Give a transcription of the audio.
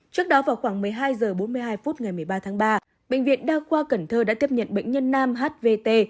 trước đó vào khoảng một mươi hai h bốn mươi hai phút ngày một mươi ba tháng ba bệnh viện đa khoa cần thơ đã tiếp nhận bệnh nhân nam hvt